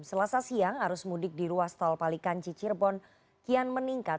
selasa siang arus mudik di ruas tol palikanci cirebon kian meningkat